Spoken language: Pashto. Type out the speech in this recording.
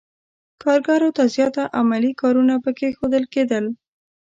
کارګرو ته زیاتره عملي کارونه پکې ښودل کېدل.